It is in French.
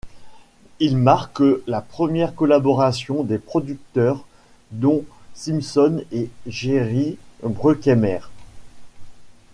Il marque la première collaboration des producteurs Don Simpson et Jerry Bruckheimer.